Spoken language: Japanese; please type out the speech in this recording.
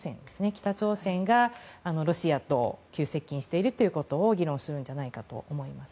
北朝鮮がロシアと急接近していることを議論するんじゃないかと思います。